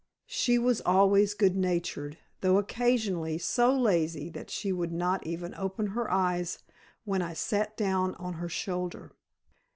She was always good humored, though occasionally so lazy that she would not even open her eyes when I sat down on her shoulder.